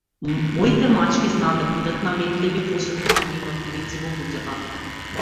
Моите мачки знаат да бидат наметливи, посебно кога има туѓинци во куќата.